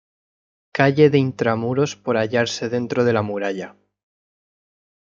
Calle de intramuros por hallarse dentro de la muralla.